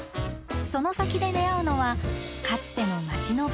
その先で出会うのはかつての街の痕跡。